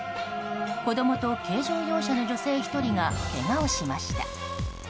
子供と軽乗用車の女性１人がけがをしました。